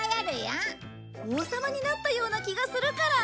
王様になったような気がするから。